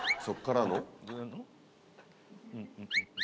そっからの？